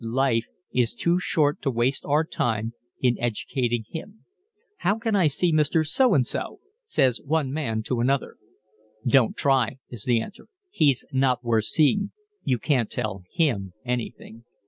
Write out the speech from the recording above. Life is too short to waste our time in educating him. "How can I see Mr. So and so?" says one man to another. "Don't try," is the answer. "He's not worth seeing. You can't tell him anything."